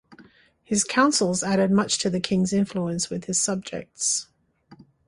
His counsels added much to the king's influence with his subjects.